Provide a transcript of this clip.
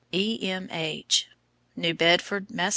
E. M. H. NEW BEDFORD, MASS.